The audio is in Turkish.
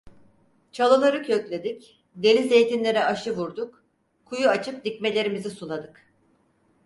Çalıları kökledik, deli zeytinlere aşı vurduk, kuyu açıp dikmelerimizi suladık.